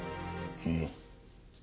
うん。